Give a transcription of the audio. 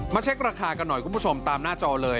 เช็คราคากันหน่อยคุณผู้ชมตามหน้าจอเลย